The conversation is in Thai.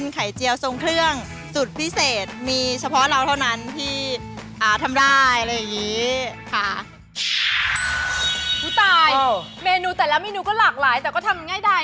ไหมยให้ตายเมนูแต่ละหลักหลายแต่ทำง่ายหน่อย